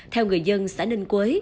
theo người dân xã ninh quế